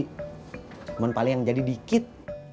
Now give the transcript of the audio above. cuman paling yang jadi dikit